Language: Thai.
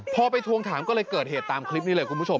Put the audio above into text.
พอไปทวงถามก็เลยเกิดเหตุตามคลิปนี้เลยคุณผู้ชม